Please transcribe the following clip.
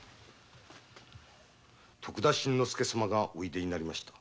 徳田新之助様がおいでになりました。